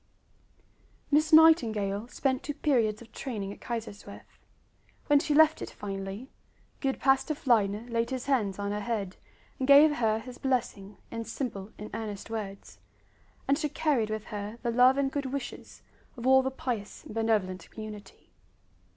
Miss Nightingale spent two periods of training at Kaiserswerth. When she left it finally, good Pastor Fliedner laid his hands on her head and gave her his blessing in simple and earnest words; and she carried with her the love and good wishes of all the pious and benevolent community.